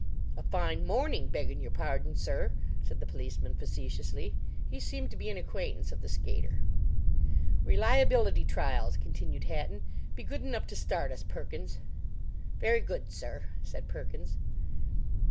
"A fine morning, beggin' your pardon, sir," said the policeman facetiously. He seemed to be an acquaintance of the skater. "Reliability trials," continued Hatton. "Be good enough to start us, Perkins." "Very good, sir," said Perkins.